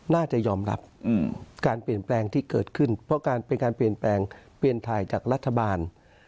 น่าจะยอมรับการเปลี่ยนแปลงที่เกิดขึ้นเพราะการเป็นการเปลี่ยนแปลงเปลี่ยนถ่ายจากรัฐบาล